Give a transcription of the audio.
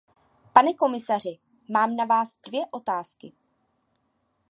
Pane komisaři, mám na vás dvě otázky.